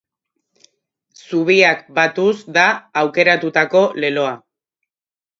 Zubiak batuz da aukeratutako leloa.